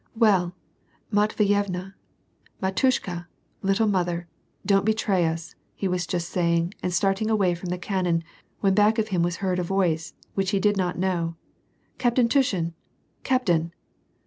" Well, Matveyevna, — Mdtushka !— little mother ! don't be tray us," he was just saying, and starting away from the can non, when back of him was heard a voice which he did not know, —" Captain Tushin ! Captain